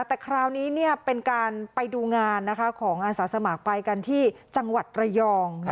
แต่คราวนี้เป็นการไปดูงานของอาสาสมัครไปกันที่จังหวัดระยอง